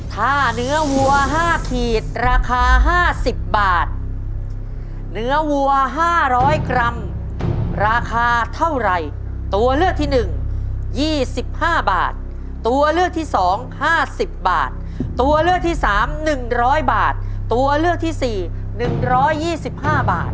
ถ้าเนื้อวัวห้าขีดราคาห้าสิบบาทเนื้อวัวห้าร้อยกรัมราคาเท่าไรตัวเลือกที่หนึ่งยี่สิบห้าบาทตัวเลือกที่สองห้าสิบบาทตัวเลือกที่สามหนึ่งร้อยบาทตัวเลือกที่สี่หนึ่งร้อยยี่สิบห้าบาท